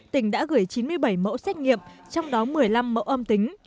tỉnh đã gửi chín mươi bảy mẫu xét nghiệm trong đó một mươi năm mẫu âm tính